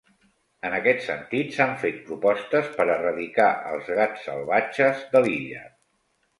En aquest sentit s'han fet propostes per erradicar els gats salvatges de l'illa.